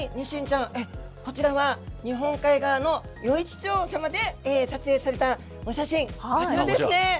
ニシンちゃん、こちらは、日本海側の余市町様で撮影されたお写真、こちらですね。